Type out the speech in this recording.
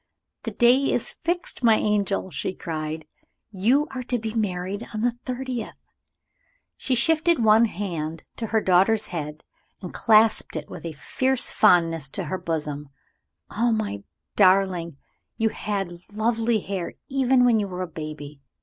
"The day is fixed, my angel!" she cried; "You are to be married on the thirtieth!" She shifted one hand to her daughter's head, and clasped it with a fierce fondness to her bosom. "Oh, my darling, you had lovely hair even when you were a baby!